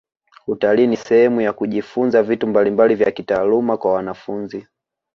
utalii ni sehemu ya kujifunza vitu mbalimbali vya kitaaluma kwa wanafunzi